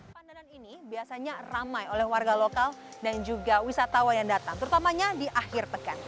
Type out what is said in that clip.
pandanan ini biasanya ramai oleh warga lokal dan juga wisatawan yang datang terutamanya di akhir pekan